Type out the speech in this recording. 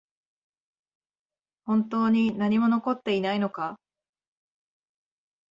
本当に何も残っていないのか？